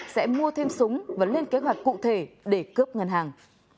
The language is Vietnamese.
sẽ mua thêm súng và lên kế hoạch cụ thể để cướp ngân hàng